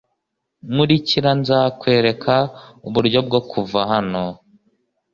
Nkurikira. Nzakwereka uburyo bwo kuva hano.